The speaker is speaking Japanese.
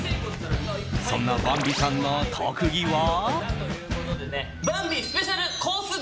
そんなヴァンビさんの特技は。